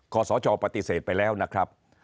ขอสชปฏิเสธไปแล้วนะครับ